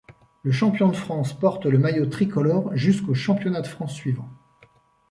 Le champion de France porte le maillot tricolore jusqu'aux championnats de France suivants.